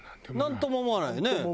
なんとも思わない。